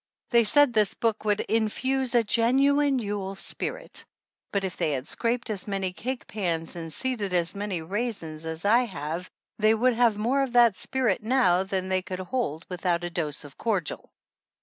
They said this book would "infuse a genuine Yule spirit," but if they had scraped as many cake pans and seeded as many raisins as I have they would have more of that spirit now than they could hold without a dose of cordial.